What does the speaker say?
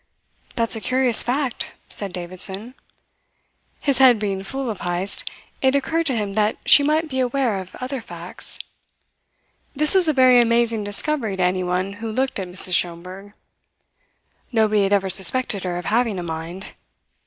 "That's a curious fact," said Davidson. His head being full of Heyst, it occurred to him that she might be aware of other facts. This was a very amazing discovery to anyone who looked at Mrs. Schomberg. Nobody had ever suspected her of having a mind.